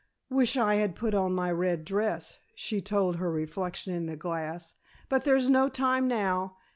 "Wish I had put on my red dress," she told her reflection in the glass, "but there's no time now.